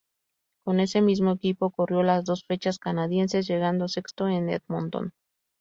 Con ese mismo equipo corrió las dos fechas canadienses, llegando sexto en Edmonton.